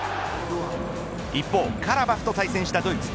一方カラバフと対戦したドイツ。